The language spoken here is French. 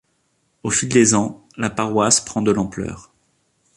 Au fil des ans, la paroisse prend de l'ampleur.